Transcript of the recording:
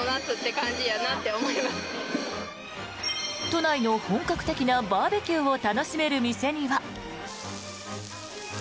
都内の本格的なバーベキューを楽しめる店には。